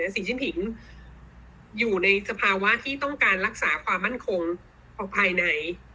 สีชิ้นผิงอยู่ในสภาวะที่ต้องการรักษาความมั่นคงของภายใน